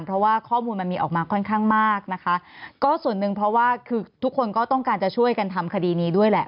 เพราะว่าข้อมูลมันมีออกมาค่อนข้างมากนะคะก็ส่วนหนึ่งเพราะว่าคือทุกคนก็ต้องการจะช่วยกันทำคดีนี้ด้วยแหละ